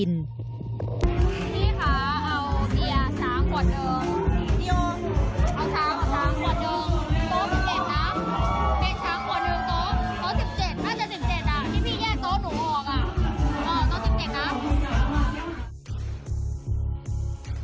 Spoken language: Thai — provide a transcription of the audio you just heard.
โต๊ะ๑๗นะเป็นชั้นหัวหนึ่งโต๊ะ๑๗น่าจะ๑๗ที่พี่แยกโต๊ะหนูออกโต๊ะ๑๗นะ